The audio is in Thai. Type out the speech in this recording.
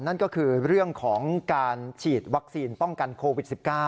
นั่นก็คือเรื่องของการฉีดวัคซีนป้องกันโควิด๑๙